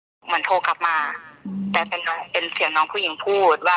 หวันโทรกลับมาแต่เป็นเสียงน้องผู้หญิงพูดว่า